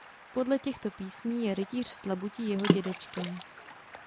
Podle těchto písní je Rytíř s labutí jeho dědečkem.